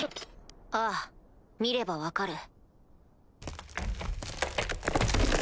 ああ見れば分かる。